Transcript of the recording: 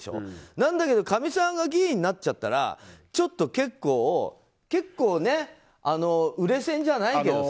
なんだけどかみさんが議員になっちゃったら結構売れ線じゃないけどさ。